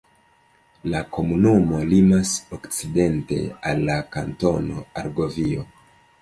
La komunumo limas okcidente al la Kantono Argovio.